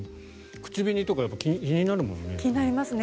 口紅とか気になるもんね。